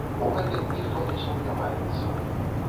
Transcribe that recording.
У гэтым ніхто не сумняваецца.